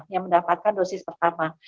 yang mendapatkan dosis pertama